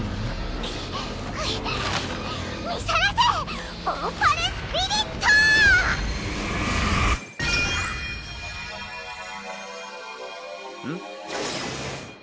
見さらせヴォーパルスピリット！ん？